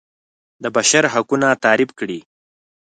د بشر حقونه تعریف کړي.